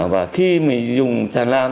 và khi mà dùng tràn lan